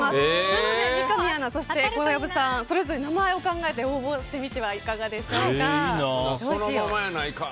なので、三上アナそして小籔さんそれぞれ名前を考えて応募してみてはいかがでしょうか。